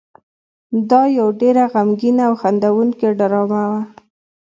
دا یو ډېره غمګینه او خندوونکې ډرامه وه.